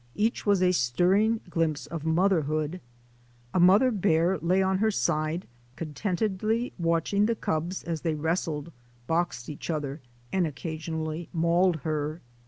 Each was a stirring glimpse of motherhood. A mother bear lay on her side contentedly watching the cubs as they wrestled, boxed each other, and occasionally mauled her.